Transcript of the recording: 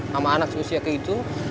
sama anak si usia kayak itu